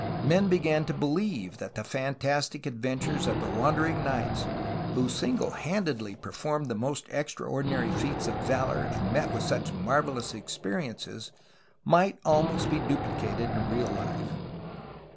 Men began to believe that the fantastic adventures of the wandering knights, who single handed performed the most extraordinary feats of valor and met with such marvelous experiences, might almost be duplicated in real life.